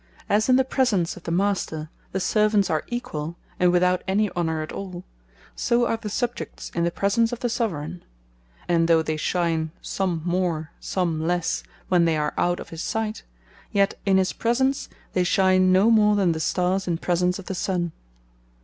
As in the presence of the Master, the Servants are equall, and without any honour at all; So are the Subjects, in the presence of the Soveraign. And though they shine some more, some lesse, when they are out of his sight; yet in his presence, they shine no more than the Starres in presence of the Sun.